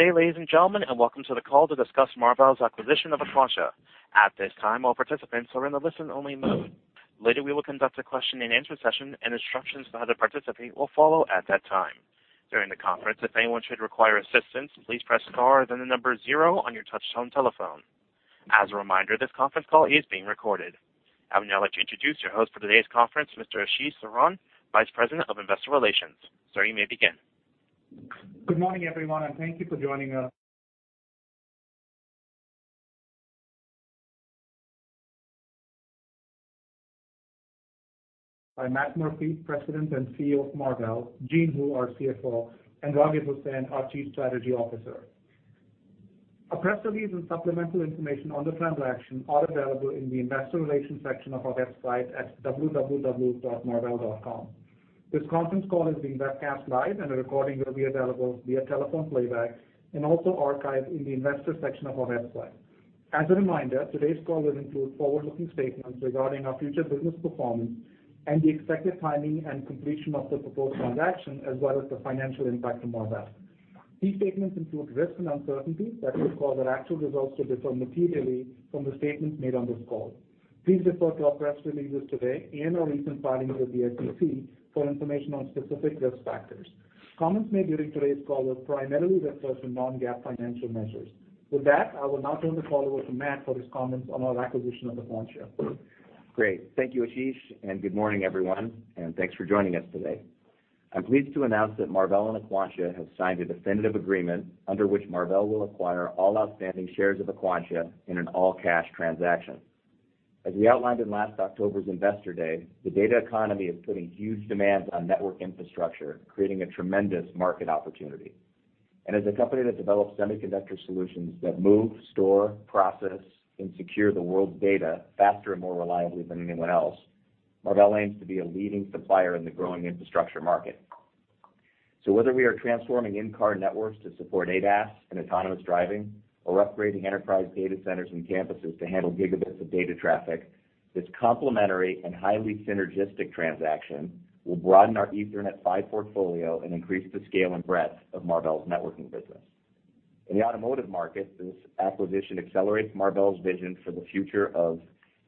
Good day, ladies and gentlemen, and welcome to the call to discuss Marvell's acquisition of Aquantia. At this time, all participants are in the listen-only mode. Later, we will conduct a question-and-answer session, and instructions on how to participate will follow at that time. During the conference, if anyone should require assistance, please press star, then the number zero on your touchtone telephone. As a reminder, this conference call is being recorded. I would now like to introduce your host for today's conference, Mr. Ashish Saran, Vice President of Investor Relations. Sir, you may begin. Good morning, everyone, and thank you for joining us. By Matt Murphy, President and CEO of Marvell, Jean Hu, our CFO, and Raghib Hussain, our Chief Strategy Officer. Our press release and supplemental information on the transaction are available in the investor relations section of our website at www.marvell.com. This conference call is being webcast live and a recording will be available via telephone playback and also archived in the investor section of our website. As a reminder, today's call will include forward-looking statements regarding our future business performance and the expected timing and completion of the proposed transaction, as well as the financial impact to Marvell. These statements include risks and uncertainties that could cause our actual results to differ materially from the statements made on this call. Please refer to our press releases today and our recent filings with the SEC for information on specific risk factors. Comments made during today's call will primarily refer to non-GAAP financial measures. With that, I will now turn the call over to Matt for his comments on our acquisition of Aquantia. Great. Thank you, Ashish, and good morning, everyone, and thanks for joining us today. I'm pleased to announce that Marvell and Aquantia have signed a definitive agreement under which Marvell will acquire all outstanding shares of Aquantia in an all-cash transaction. As we outlined in last October's Investor Day, the data economy is putting huge demands on network infrastructure, creating a tremendous market opportunity. As a company that develops semiconductor solutions that move, store, process, and secure the world's data faster and more reliably than anyone else, Marvell aims to be a leading supplier in the growing infrastructure market. Whether we are transforming in-car networks to support ADAS and autonomous driving or upgrading enterprise data centers and campuses to handle gigabits of data traffic, this complementary and highly synergistic transaction will broaden our Ethernet PHY portfolio and increase the scale and breadth of Marvell's networking business. In the automotive market, this acquisition accelerates Marvell's vision for the future of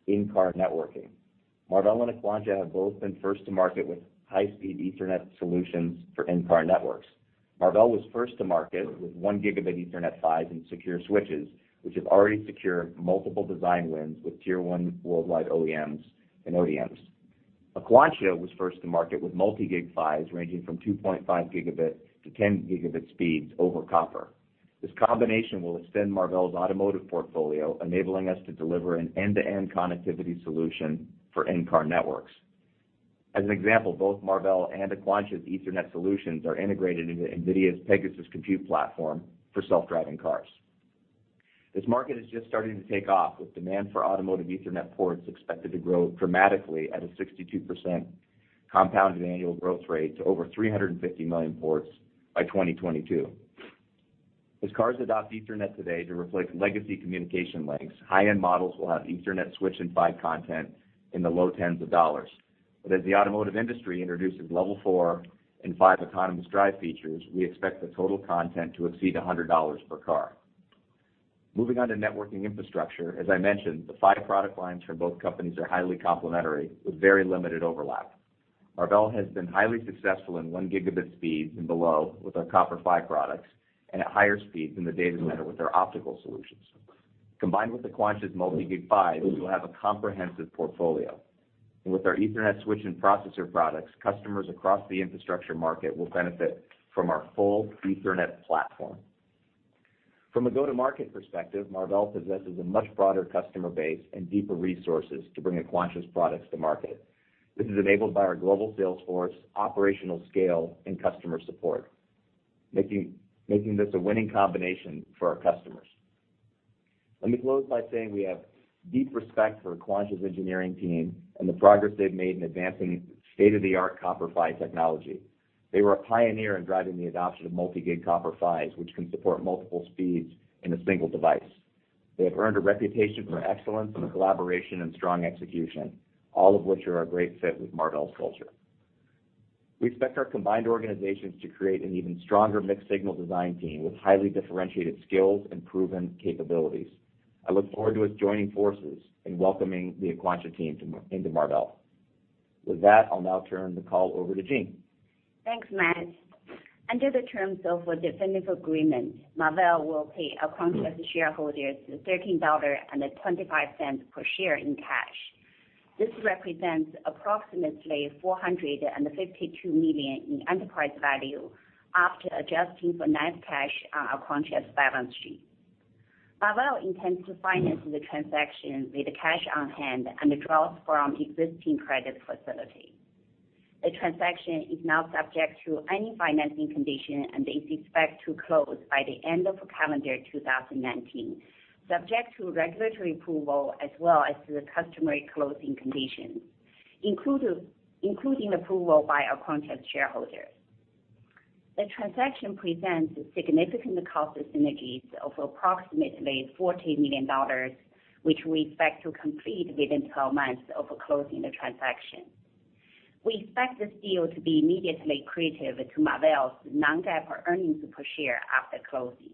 in-car networking. Marvell and Aquantia have both been first to market with high-speed Ethernet solutions for in-car networks. Marvell was first to market with one gigabit Ethernet PHYs and secure switches, which have already secured multiple design wins with tier 1 worldwide OEMs and ODMs. Aquantia was first to market with multi-gig PHYs ranging from 2.5 gigabit to 10 gigabit speeds over copper. This combination will extend Marvell's automotive portfolio, enabling us to deliver an end-to-end connectivity solution for in-car networks. As an example, both Marvell and Aquantia's Ethernet solutions are integrated into NVIDIA's Pegasus Compute Platform for self-driving cars. This market is just starting to take off, with demand for automotive Ethernet ports expected to grow dramatically at a 62% compounded annual growth rate to over 350 million ports by 2022. As cars adopt Ethernet today to replace legacy communication links, high-end models will have Ethernet switch and PHY content in the low tens of dollars. As the automotive industry introduces level 4 and 5 autonomous drive features, we expect the total content to exceed $100 per car. Moving on to networking infrastructure, as I mentioned, the PHY product lines from both companies are highly complementary with very limited overlap. Marvell has been highly successful in one gigabit speeds and below with our copper PHY products and at higher speeds in the data center with our optical solutions. Combined with Aquantia's multi-gig PHYs, we will have a comprehensive portfolio. With our Ethernet switch and processor products, customers across the infrastructure market will benefit from our full Ethernet platform. From a go-to-market perspective, Marvell possesses a much broader customer base and deeper resources to bring Aquantia's products to market. This is enabled by our global sales force, operational scale, and customer support, making this a winning combination for our customers. Let me close by saying we have deep respect for Aquantia's engineering team and the progress they've made in advancing state-of-the-art copper PHY technology. They were a pioneer in driving the adoption of multi-gig copper PHYs, which can support multiple speeds in a single device. They have earned a reputation for excellence and collaboration and strong execution, all of which are a great fit with Marvell's culture. We expect our combined organizations to create an even stronger mixed signal design team with highly differentiated skills and proven capabilities. I look forward to us joining forces and welcoming the Aquantia team into Marvell. With that, I'll now turn the call over to Jean. Thanks, Matt. Under the terms of a definitive agreement, Marvell will pay Aquantia's shareholders $13.25 per share in cash. This represents approximately $452 million in enterprise value after adjusting for net cash on Aquantia's balance sheet. Marvell intends to finance the transaction with cash on hand and draws from existing credit facility. The transaction is not subject to any financing condition and is expected to close by the end of calendar 2019, subject to regulatory approval as well as the customary closing conditions, including approval by Aquantia's shareholders. The transaction presents significant cost synergies of approximately $40 million, which we expect to complete within 12 months of closing the transaction. We expect this deal to be immediately accretive to Marvell's non-GAAP earnings per share after closing.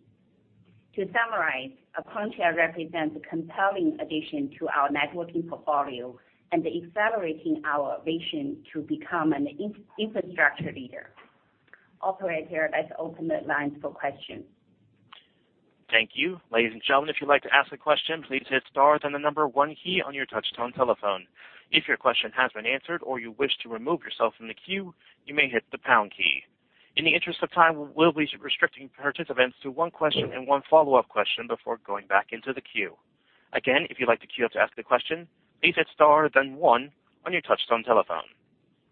To summarize, Aquantia represents a compelling addition to our networking portfolio and accelerating our vision to become an infrastructure leader. Operator, let's open the lines for questions. Thank you. Ladies and gentlemen, if you'd like to ask a question, please hit star, then the number 1 key on your touchtone telephone. If your question has been answered or you wish to remove yourself from the queue, you may hit the pound key. In the interest of time, we'll be restricting participants to one question and one follow-up question before going back into the queue. Again, if you'd like to queue up to ask a question, please hit star, then one on your touchtone telephone.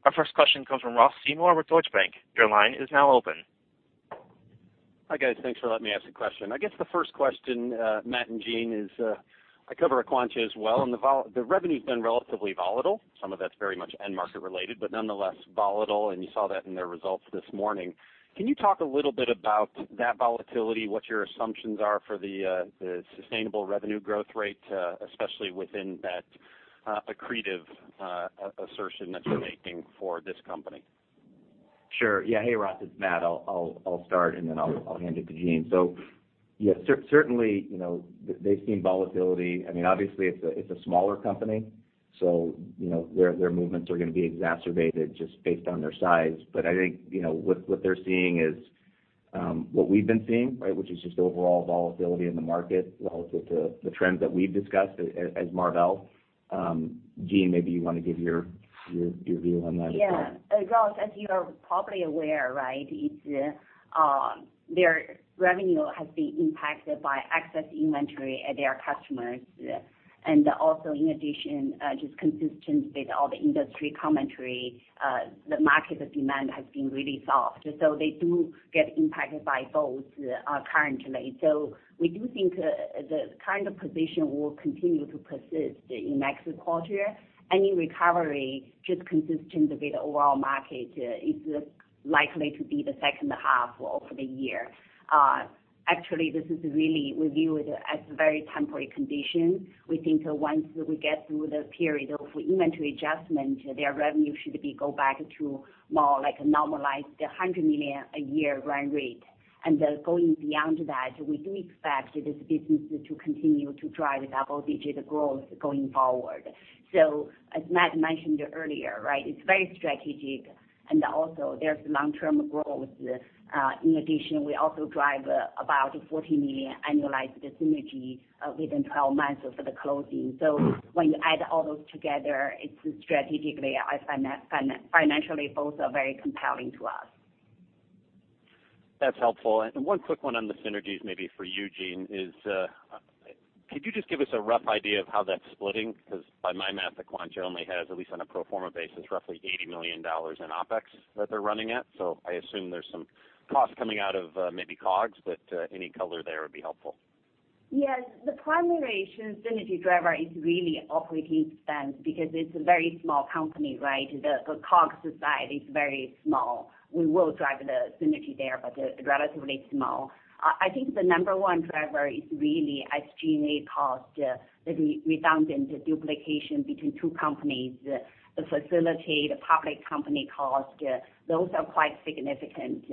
Our first question comes from Ross Seymore with Deutsche Bank. Your line is now open. Hi, guys. Thanks for letting me ask a question. I guess the first question, Matt and Jean, is, I cover Aquantia as well, and the revenue's been relatively volatile. Some of that's very much end market related, but nonetheless volatile, and you saw that in their results this morning. Can you talk a little bit about that volatility, what your assumptions are for the sustainable revenue growth rate, especially within that accretive assertion that you're making for this company? Sure. Yeah. Hey, Ross, it's Matt. I'll start, and then I'll hand it to Jean. Yeah, certainly, they've seen volatility. Obviously, it's a smaller company, so their movements are going to be exacerbated just based on their size. I think, what they're seeing is what we've been seeing, which is just overall volatility in the market relative to the trends that we've discussed as Marvell. Jean, maybe you want to give your view on that as well. Yeah. Ross, as you are probably aware, their revenue has been impacted by excess inventory at their customers. Also in addition, just consistent with all the industry commentary, the market demand has been really soft. They do get impacted by both currently. We do think the kind of position will continue to persist in next quarter. Any recovery, just consistent with the overall market, is likely to be the second half of the year. Actually, this is really, we view it as a very temporary condition. We think once we get through the period of inventory adjustment, their revenue should go back to more like a normalized, $100 million a year run rate. Going beyond that, we do expect this business to continue to drive double-digit growth going forward. As Matt mentioned earlier, it's very strategic, and also there's long-term growth. In addition, we also drive about $40 million annualized synergy within 12 months of the closing. When you add all those together strategically and financially, both are very compelling to us. That's helpful. One quick one on the synergies maybe for you, Jean, is could you just give us a rough idea of how that's splitting? Because by my math, Aquantia only has, at least on a pro forma basis, roughly $80 million in OPEX that they're running at. I assume there's some cost coming out of maybe COGS, but any color there would be helpful. Yes. The primary synergy driver is really operating expense because it's a very small company. The COGS side is very small. We will drive the synergy there, but relatively small. I think the number one driver is really SG&A cost, the redundant duplication between two companies, the facility, the public company cost, those are quite significant.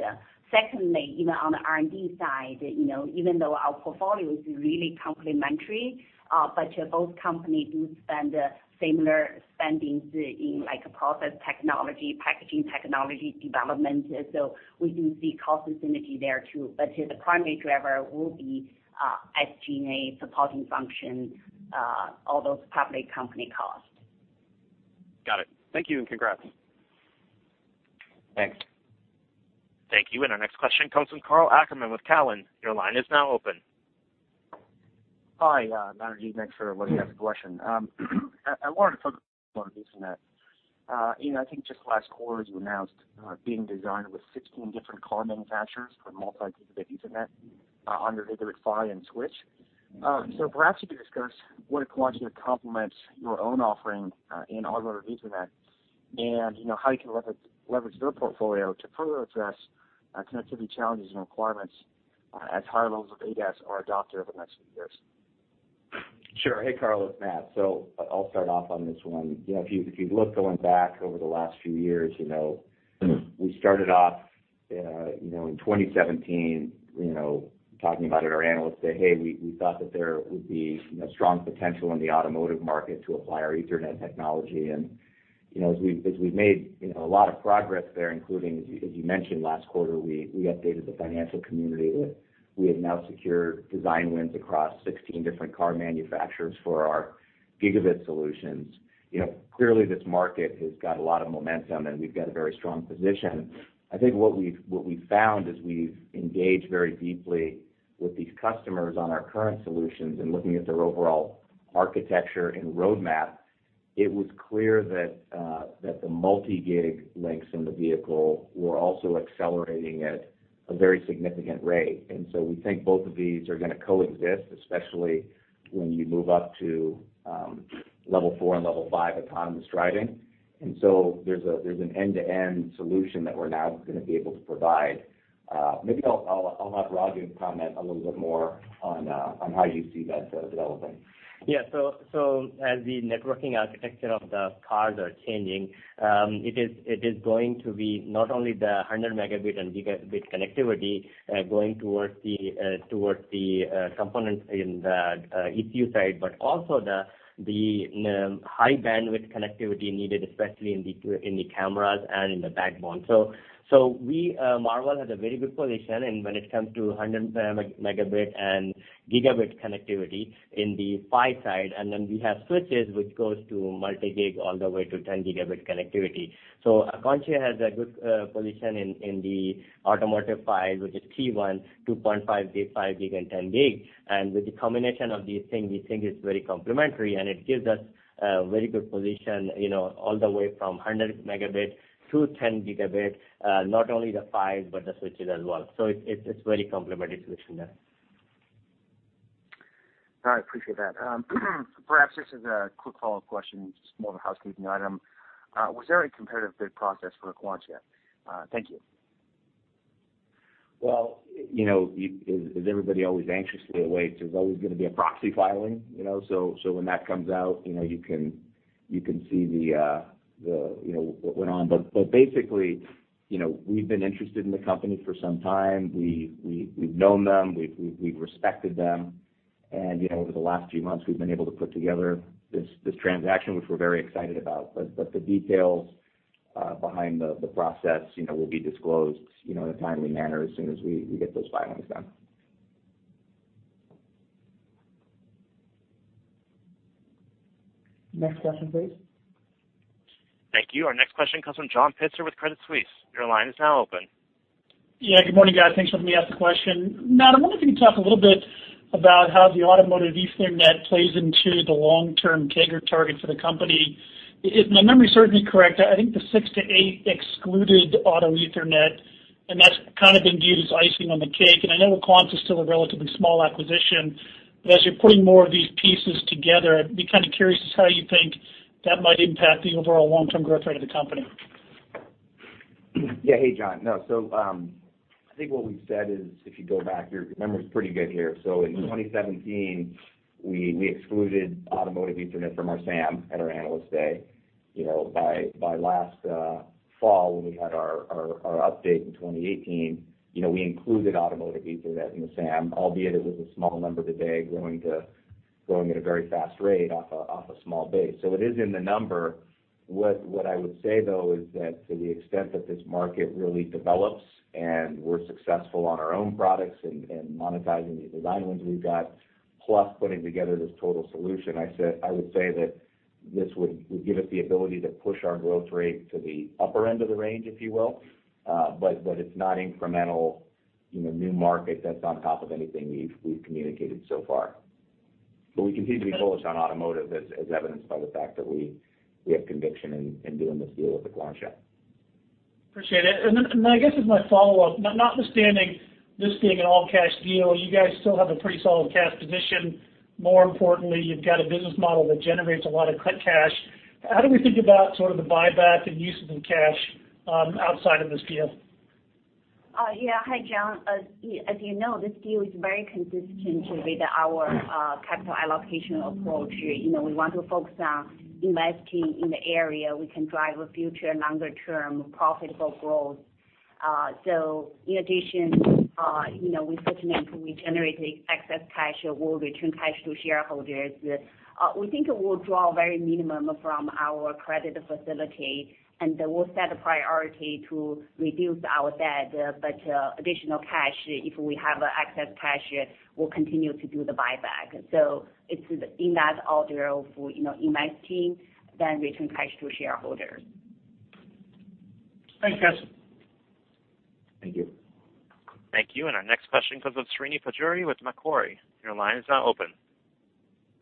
Secondly, even on the R&D side, even though our portfolio is really complementary, both companies do spend similar spending in process technology, packaging technology development. We do see cost synergy there, too. The primary driver will be SG&A supporting function, all those public company costs. Got it. Thank you, and congrats. Thanks. Thank you. Our next question comes from Karl Ackerman with Cowen. Your line is now open. Hi, Matt and Jean. Thanks for letting me ask a question. I wanted to focus more on Ethernet. I think just last quarter, as you announced being designed with 16 different car manufacturers for multi-gigabit Ethernet on their Ethernet PHY and switch. Perhaps you could discuss where Aquantia complements your own offering in automotive Ethernet and how you can leverage their portfolio to further address connectivity challenges and requirements as higher levels of ADAS are adopted over the next few years. Sure. Hey, Karl, it's Matt. I'll start off on this one. If you look going back over the last few years, we started off in 2017 talking about it, our analysts say, "Hey, we thought that there would be strong potential in the automotive market to apply our Ethernet technology." As we've made a lot of progress there, including, as you mentioned, last quarter, we updated the financial community that we have now secured design wins across 16 different car manufacturers for our gigabit solutions. Clearly, this market has got a lot of momentum, and we've got a very strong position. I think what we've found as we've engaged very deeply with these customers on our current solutions and looking at their overall architecture and roadmap, it was clear that the multi-gig links in the vehicle were also accelerating at a very significant rate. We think both of these are going to coexist, especially when you move up to level 4 and level 5 autonomous driving. There's an end-to-end solution that we're now going to be able to provide. Maybe I'll have Raghib comment a little bit more on how you see that developing. Yeah. As the networking architecture of the cars are changing, it is going to be not only the 100 megabit and gigabit connectivity going towards the components in the ECU side, but also the high bandwidth connectivity needed, especially in the cameras and in the backbone. Marvell has a very good position when it comes to 100 megabit and gigabit connectivity in the PHY side. We have switches which goes to multi-gig all the way to 10 gigabit connectivity. Aquantia has a good position in the automotive PHY, which is T1, 2.5 gig, 5 gig, and 10 gig. With the combination of these things, we think it's very complementary, and it gives us a very good position all the way from 100 megabits to 10 gigabits, not only the PHY but the switches as well. It's a very complementary solution there. All right. Appreciate that. Perhaps this is a quick follow-up question, just more of a housekeeping item. Was there any competitive bid process for Aquantia? Thank you. Well, as everybody always anxiously awaits, there's always going to be a proxy filing. When that comes out, you can see what went on. Basically, we've been interested in the company for some time. We've known them, we've respected them. Over the last few months, we've been able to put together this transaction, which we're very excited about. The details behind the process will be disclosed in a timely manner as soon as we get those filings done. Next question, please. Thank you. Our next question comes from John Pitzer with Credit Suisse. Your line is now open. Yeah, good morning, guys. Thanks for letting me ask the question. Matt, I wonder if you can talk a little bit about how the automotive Ethernet plays into the long-term target for the company. If my memory serves me correct, I think the six to eight excluded auto Ethernet, and that's kind of been viewed as icing on the cake. I know Aquantia is still a relatively small acquisition, but as you're putting more of these pieces together, I'd be kind of curious as to how you think that might impact the overall long-term growth rate of the company. Yeah. Hey, John. I think what we've said is, if you go back, your memory's pretty good here. In 2017, we excluded automotive Ethernet from our SAM at our Analyst Day. By last fall, when we had our update in 2018, we included automotive Ethernet in the SAM, albeit it was a small number today, growing at a very fast rate off a small base. It is in the number. What I would say, though, is that to the extent that this market really develops and we're successful on our own products and monetizing the design wins we've got, plus putting together this total solution, I would say that this would give us the ability to push our growth rate to the upper end of the range, if you will. It's not incremental new market that's on top of anything we've communicated so far. We continue to be bullish on automotive, as evidenced by the fact that we have conviction in doing this deal with Aquantia. Appreciate it. Then I guess as my follow-up, notwithstanding this being an all-cash deal, you guys still have a pretty solid cash position. More importantly, you've got a business model that generates a lot of cash. How do we think about sort of the buyback and uses of cash outside of this deal? Yeah. Hi, John. As you know, this deal is very consistent with our capital allocation approach. We want to focus on investing in the area we can drive a future longer-term profitable growth. In addition, we certainly, if we generate excess cash, will return cash to shareholders. We think it will draw very minimum from our credit facility, and we'll set a priority to reduce our debt. Additional cash, if we have excess cash, we'll continue to do the buyback. It's in that order of investing, then return cash to shareholders. Thanks, guys. Thank you. Thank you. Our next question comes from Srini Pajjuri with Macquarie. Your line is now open.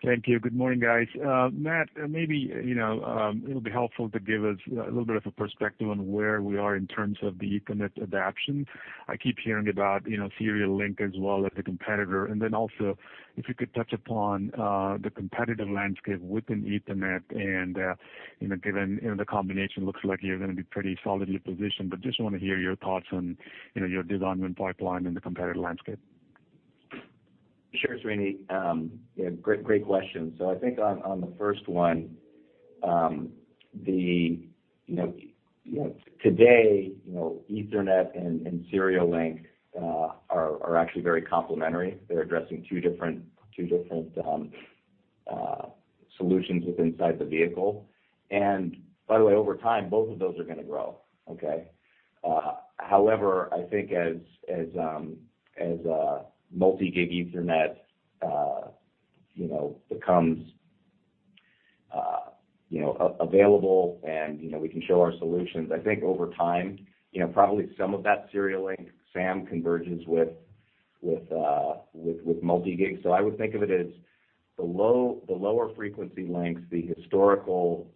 Thank you. Good morning, guys. Matt, maybe it'll be helpful to give us a little bit of a perspective on where we are in terms of the Ethernet adaption. I keep hearing about SerDes as well as a competitor. Also, if you could touch upon the competitive landscape within Ethernet and given the combination looks like you're going to be pretty solidly positioned, but just want to hear your thoughts on your design win pipeline and the competitive landscape. Sure, Srini. Yeah, great question. I think on the first one, today, Ethernet and SerDes are actually very complementary. They're addressing two different solutions inside the vehicle. By the way, over time, both of those are going to grow. Okay? However, I think as multi-gig Ethernet becomes available and we can show our solutions, I think over time, probably some of that SerDes SAM converges with multi-gig. I would think of it as the lower frequency lengths, the historical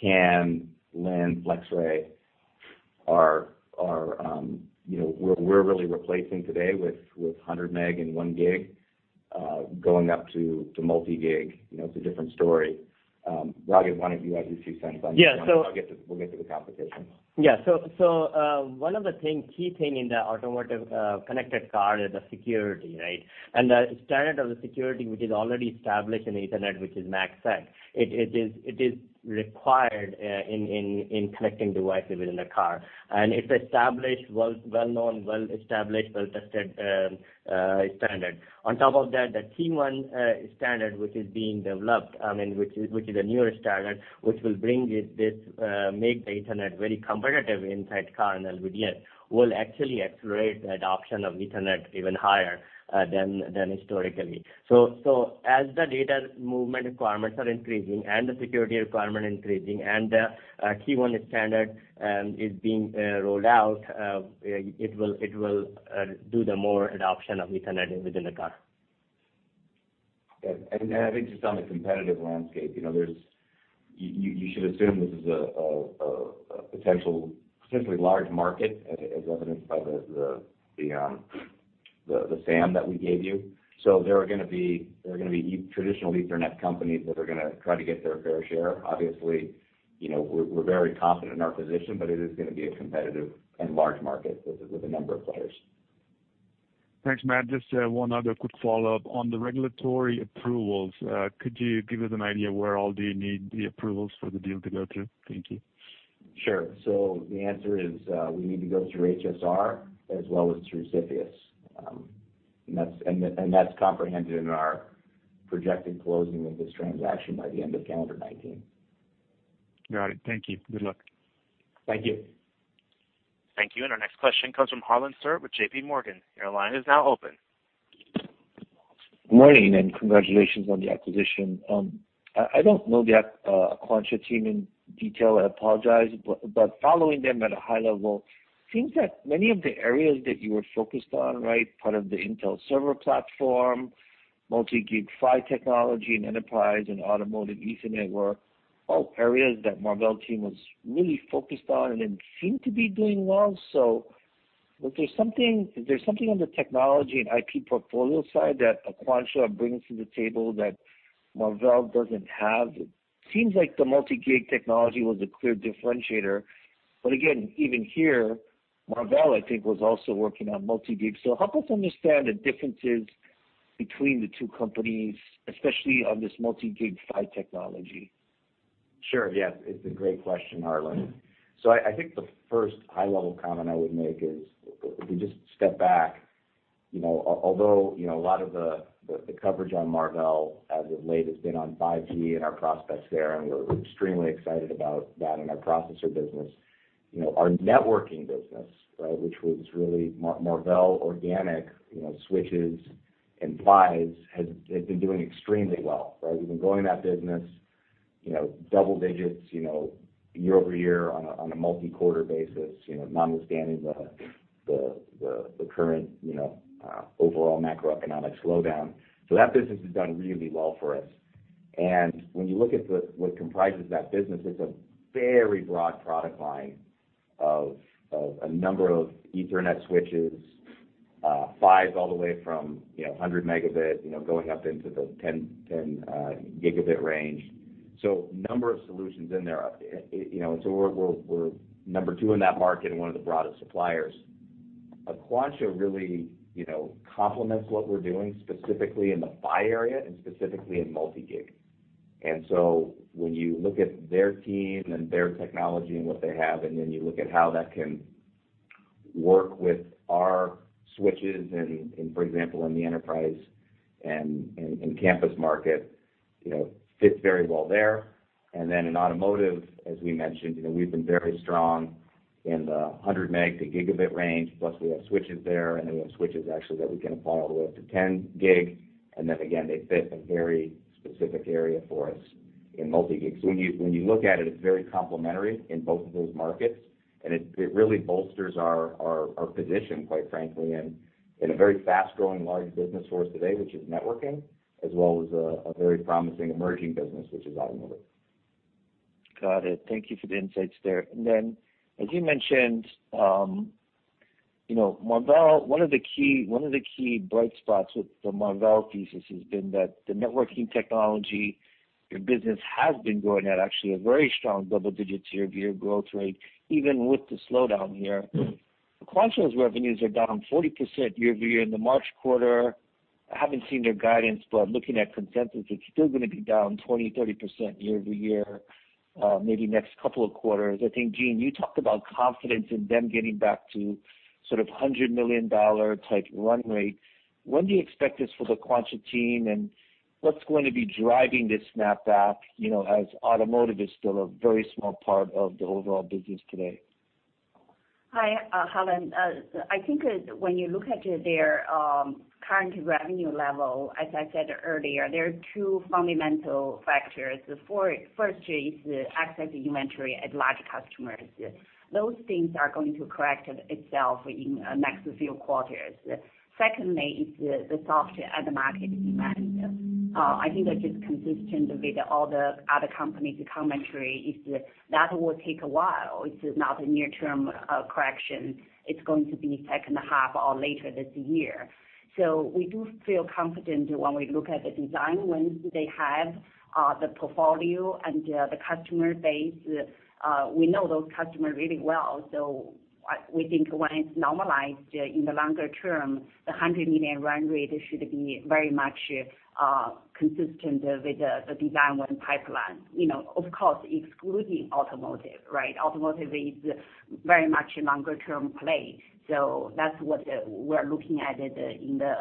CAN, LIN, FlexRay we're really replacing today with 100 Meg and 1 Gig, going up to multi-gig, it's a different story. Raghu, why don't you add your two cents on this one? Yeah. We'll get to the competition. Yeah. One of the key thing in the automotive connected car is the security, right? The standard of the security, which is already established in Ethernet, which is MACsec, it is required in connecting devices within the car. It's well-known, well-established, well-tested standard. On top of that, the T1 standard, which is being developed, which is a newer standard, which will make the internet very competitive inside car and LVDS, will actually accelerate the adoption of Ethernet even higher than historically. As the data movement requirements are increasing and the security requirement increasing and the T1 standard is being rolled out, it will do the more adoption of Ethernet within the car. Yeah. I think just on the competitive landscape, you should assume this is a potentially large market, as evidenced by the SAM that we gave you. There are going to be traditional Ethernet companies that are going to try to get their fair share. Obviously, we're very confident in our position, but it is going to be a competitive and large market with a number of players. Thanks, Matt. Just one other quick follow-up. On the regulatory approvals, could you give us an idea where all do you need the approvals for the deal to go through? Thank you. The answer is, we need to go through HSR as well as through CFIUS. That's comprehended in our projected closing of this transaction by the end of calendar 2019. Got it. Thank you. Good luck. Thank you. Thank you. Our next question comes from Harlan Sur with J.P. Morgan. Your line is now open. Morning, congratulations on the acquisition. I don't know the Aquantia team in detail, I apologize. Following them at a high level, seems that many of the areas that you were focused on, right? Part of the Intel server platform, multi-gig PHY technology in enterprise and automotive Ethernet were all areas that Marvell team was really focused on and seemed to be doing well. Is there something on the technology and IP portfolio side that Aquantia brings to the table that Marvell doesn't have? It seems like the multi-gig technology was a clear differentiator, but again, even here, Marvell, I think, was also working on multi-gig. Help us understand the differences between the two companies, especially on this multi-gig PHY technology. Sure. Yeah. It's a great question, Harlan. I think the first high-level comment I would make is if we just step back, although a lot of the coverage on Marvell as of late has been on 5G and our prospects there, and we're extremely excited about that and our processor business. Our networking business, which was really Marvell organic switches and PHYs has been doing extremely well, right? We've been growing that business double digits, year-over-year on a multi-quarter basis notwithstanding the current overall macroeconomic slowdown. That business has done really well for us. When you look at what comprises that business, it's a very broad product line of a number of Ethernet switches, PHYs all the way from 100 megabits going up into the 10 gigabit range. Number of solutions in there. We're number two in that market and one of the broadest suppliers. Aquantia really complements what we're doing, specifically in the PHY area and specifically in multi-gig. When you look at their team and their technology and what they have, then you look at how that can work with our switches in, for example, in the enterprise and campus market, fits very well there. In automotive, as we mentioned, we've been very strong in the 100 meg to gigabit range, plus we have switches there, then we have switches actually that we can apply all the way up to 10 gig. Again, they fit a very specific area for us in multi-gig. When you look at it's very complementary in both of those markets, and it really bolsters our position, quite frankly, in a very fast-growing, large business for us today, which is networking, as well as a very promising emerging business, which is automotive. Got it. Thank you for the insights there. As you mentioned, one of the key bright spots with the Marvell thesis has been that the networking technology, your business has been growing at actually a very strong double digits year-over-year growth rate, even with the slowdown here. Aquantia's revenues are down 40% year-over-year in the March quarter. I haven't seen their guidance, but looking at consensus, it's still going to be down 20%, 30% year-over-year maybe next couple of quarters. I think, Jean, you talked about confidence in them getting back to sort of $100 million type run rate. When do you expect this for the Aquantia team, and what's going to be driving this snap back, as automotive is still a very small part of the overall business today? Hi, Harlan. I think when you look at their current revenue level, as I said earlier, there are two fundamental factors. The first is exccess inventory at large customers. Those things are going to correct itself in next few quarters. Secondly, it's the softer end market demand. I think that is consistent with all the other companies' commentary, is that will take a while. It is not a near-term correction. It's going to be second half or later this year. We do feel confident when we look at the design wins they have, the portfolio, and the customer base. We know those customers really well. We think when it's normalized in the longer term, the $100 million run rate should be very much consistent with the design win pipeline. Of course, excluding automotive, right? Automotive is very much a longer-term play. That's what we're looking at in the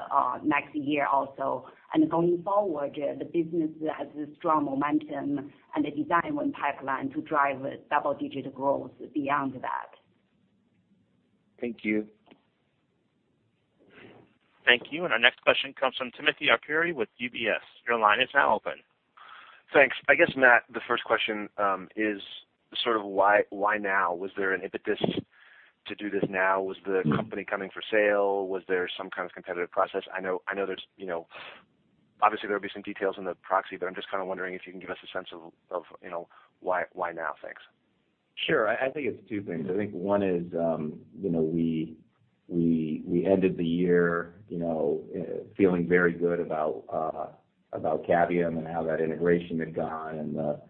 next year also. Going forward, the business has a strong momentum and a design win pipeline to drive double-digit growth beyond that. Thank you. Thank you. Our next question comes from Timothy Arcuri with UBS. Your line is now open. Thanks. I guess, Matt, the first question is sort of why now? Was there an impetus to do this now? Was the company coming for sale? Was there some kind of competitive process? I know obviously there will be some details in the proxy, but I'm just kind of wondering if you can give us a sense of why now. Thanks. Sure. I think it's two things. I think one is we ended the year feeling very good about Cavium and how that integration had gone and the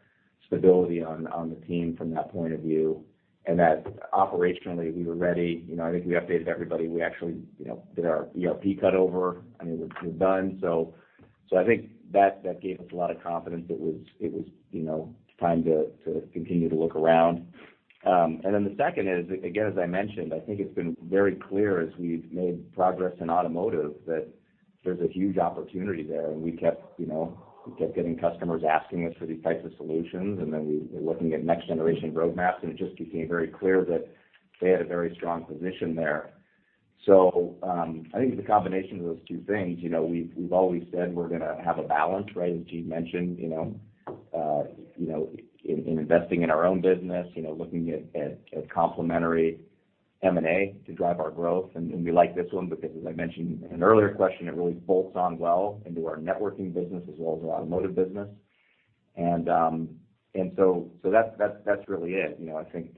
stability on the team from that point of view, and that operationally we were ready. I think we updated everybody. We actually did our ERP cut over, and it was done. I think that gave us a lot of confidence. It was time to continue to look around. The second is, again, as I mentioned, I think it's been very clear as we've made progress in automotive, that there's a huge opportunity there. We kept getting customers asking us for these types of solutions, and then we were looking at next-generation roadmaps, and it just became very clear that they had a very strong position there. I think it's a combination of those two things. We've always said we're going to have a balance, right, as Jean Hu mentioned, in investing in our own business, looking at complementary M&A to drive our growth. We like this one because, as I mentioned in an earlier question, it really bolts on well into our networking business as well as our automotive business. That's really it. I think it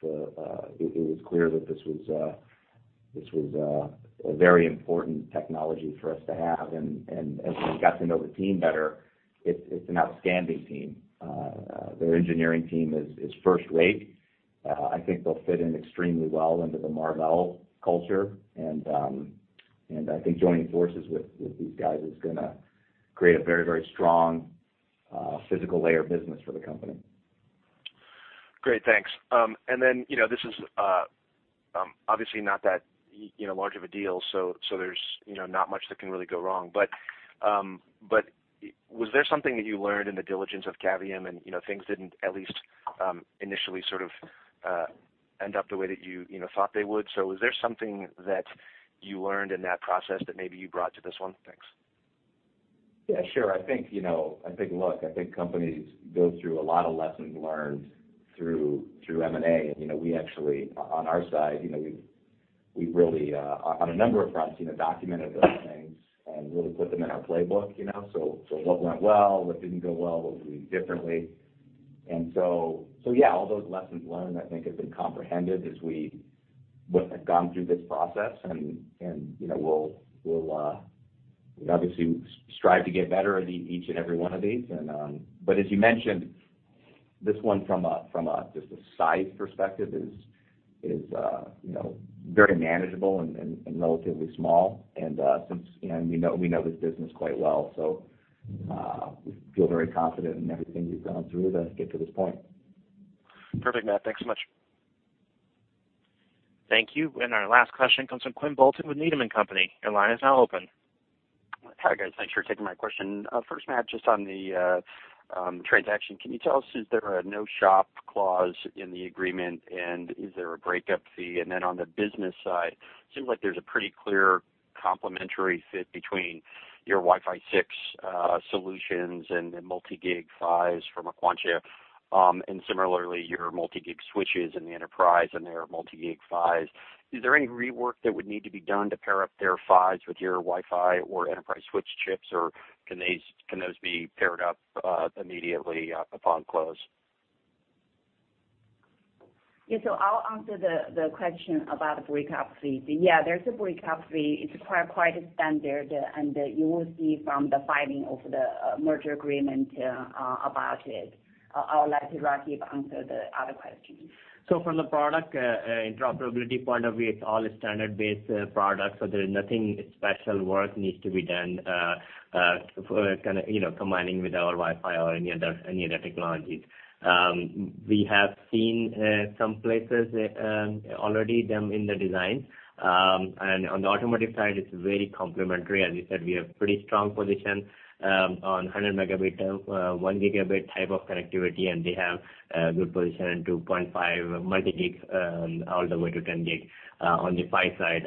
was clear that this was a very important technology for us to have. As we got to know the team better, it's an outstanding team. Their engineering team is first rate. I think they'll fit in extremely well into the Marvell culture. I think joining forces with these guys is going to create a very strong physical layer of business for the company. Great. Thanks. This is obviously not that large of a deal, so there's not much that can really go wrong. Was there something that you learned in the diligence of Cavium and things didn't at least initially sort of end up the way that you thought they would? Was there something that you learned in that process that maybe you brought to this one? Thanks. Yeah, sure. I think, look, I think companies go through a lot of lessons learned through M&A. We actually, on our side, we've really, on a number of fronts, documented those things and really put them in our playbook. What went well, what didn't go well, what we did differently. Yeah, all those lessons learned I think have been comprehended as we have gone through this process and we'll obviously strive to get better at each and every one of these. As you mentioned, this one from just a size perspective is very manageable and relatively small. We know this business quite well, so we feel very confident in everything we've gone through to get to this point. Perfect, Matt. Thanks so much. Thank you. Our last question comes from Quinn Bolton with Needham & Company. Your line is now open. Hi, guys. Thanks for taking my question. First, Matt, just on the transaction, can you tell us is there a no-shop clause in the agreement and is there a breakup fee? Then on the business side, seems like there's a pretty clear complementary fit between your Wi-Fi 6 solutions and the multi-gig PHYs from Aquantia, and similarly, your multi-gig switches in the enterprise and their multi-gig PHYs. Is there any rework that would need to be done to pair up their PHYs with your Wi-Fi or enterprise switch chips, or can those be paired up immediately upon close? Yeah. I'll answer the question about the breakup fee. Yeah, there's a breakup fee. It's quite standard, and you will see from the filing of the merger agreement about it. I'll let Raghib answer the other questions. From the product interoperability point of view, it's all standard-based products, there's nothing special work needs to be done combining with our Wi-Fi or any other technologies. We have seen some places already them in the design. On the automotive side, it's very complementary. As you said, we have pretty strong position on 100 megabit, 1 gigabit type of connectivity, and they have a good position in 2.5 multi-gig all the way to 10 gig on the PHY side.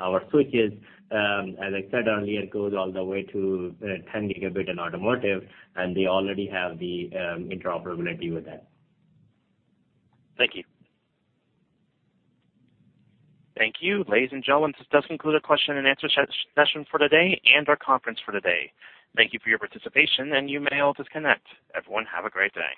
Our switches, as I said earlier, goes all the way to 10 gigabit in automotive, and we already have the interoperability with that. Thank you. Thank you. Ladies and gentlemen, this does conclude the question and answer session for today and our conference for today. Thank you for your participation and you may all disconnect. Everyone have a great day.